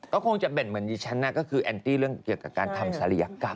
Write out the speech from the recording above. ก็คงจะเบ่นเหมือนดิฉันนะก็คือแอนตี้เรื่องเกี่ยวกับการทำศัลยกรรม